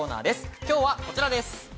今日はこちらです。